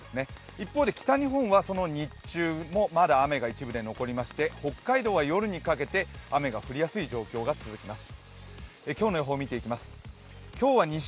一方で北日本はその日中もまだ雨が一部で残りまして北海道は夜にかけて雨が降りやすい状況が続きます。